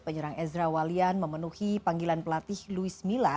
penyerang ezra walian memenuhi panggilan pelatih luis mila